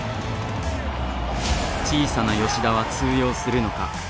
「小さな吉田は通用するのか」。